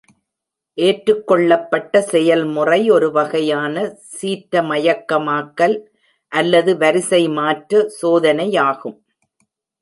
ஏற்றுக்கொள்ளப்பட்ட செயல்முறை ஒரு வகையான சீரற்றமயமாக்கல் அல்லது வரிசைமாற்ற சோதனையாகும்.